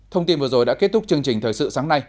thông tin vừa rồi đã kết thúc chương trình thời sự sáng nay